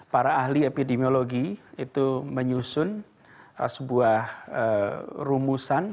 para ahli epidemiologi itu menyusun sebuah rumusan